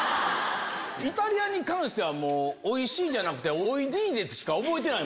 イタリアに関しては「おいしい」じゃなくて「おいＤ」でしか覚えてない。